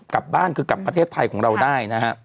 กลับบ้านคือกลับประเทศไทยของเราได้นะฮะ